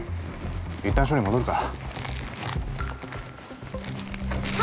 一旦署に戻るか。